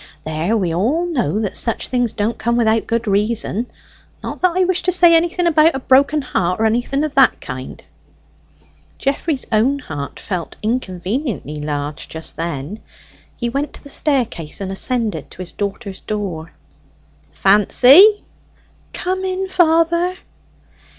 There, we all know that such things don't come without good reason not that I wish to say anything about a broken heart, or anything of the kind." Geoffrey's own heart felt inconveniently large just then. He went to the staircase and ascended to his daughter's door. "Fancy!" "Come in, father."